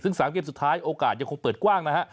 ซึ่ง๓เกมสุดท้ายโอกาสยังคงเปิดกว้างนะฮะ